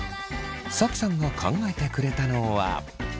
Ｓａｋｉさんが考えてくれたのは。